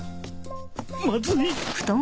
・まずい！